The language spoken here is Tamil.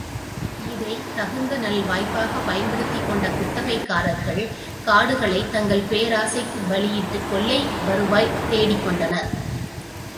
இதைத் தகுந்த நல்வாய்ப்பாகப் பயன்படுத்திக் கொண்ட குத்தகைக்காரர்கள், காடுகளைத் தங்கள் பேராசைக்குப் பலியிட்டுக் கொள்ளை வருவாய் தேடிக்கொண்டனர்.